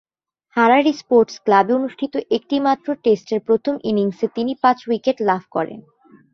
Harare sports ক্লাবে অনুষ্ঠিত একমাত্র টেস্টের প্রথম ইনিংসে তিনি পাঁচ উইকেট লাভ করেন।